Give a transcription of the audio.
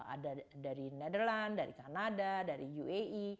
ada dari netherlands dari canada dari uae